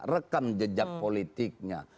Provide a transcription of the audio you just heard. rekam jejak politiknya